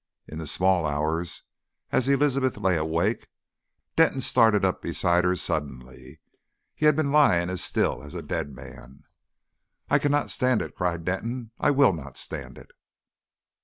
In the small hours, as Elizabeth lay awake, Denton started up beside her suddenly he had been lying as still as a dead man. "I cannot stand it!" cried Denton. "I will not stand it!"